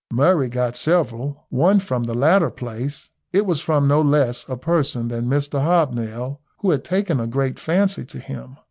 Murray got several. One from the latter place. It was from no less a person than Mr Hobnail, who had taken a great fancy to him.